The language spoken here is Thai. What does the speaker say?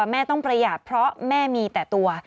แม่ต้องประหยัดเพราะแม่มีแต่ตัว